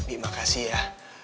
bima kasih ya